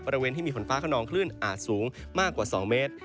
บริเวณที่มีฝนฟ้าขนองคลื่นอาจสูงมากกว่า๒เมตร